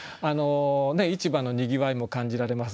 市場のにぎわいも感じられます。